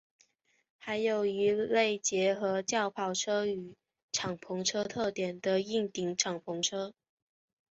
还有一类结合轿跑车与敞篷车特点的硬顶敞篷车。